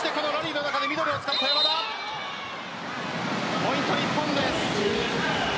ポイント、日本です。